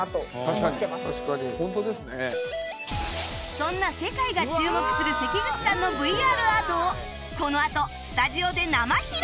そんな世界が注目するせきぐちさんの ＶＲ アートをこのあとスタジオで生披露！